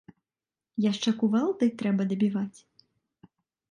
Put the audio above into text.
Яшчэ кувалдай трэба дабіваць?